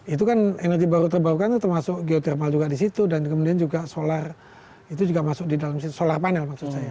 itu kan energi baru terbarukan itu termasuk geotermal juga di situ dan kemudian juga solar itu juga masuk di dalam solar panel maksud saya